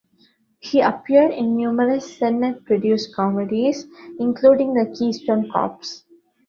He appeared in numerous Sennett-produced comedies, including the Keystone Kops.